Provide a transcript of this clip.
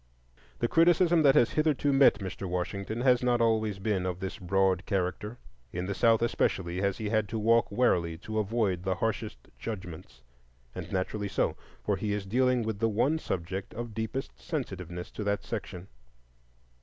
The criticism that has hitherto met Mr. Washington has not always been of this broad character. In the South especially has he had to walk warily to avoid the harshest judgments,—and naturally so, for he is dealing with the one subject of deepest sensitiveness to that section.